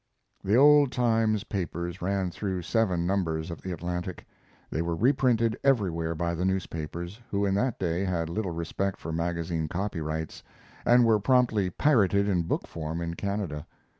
The "Old Times" papers ran through seven numbers of the Atlantic. They were reprinted everywhere by the newspapers, who in that day had little respect for magazine copyrights, and were promptly pirated in book form in Canada.